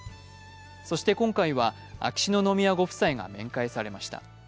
そして今回は秋篠宮ご夫妻が面会されました。